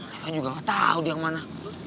reva juga gak tau dia kemana